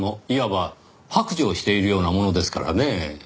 いわば白状しているようなものですからねぇ。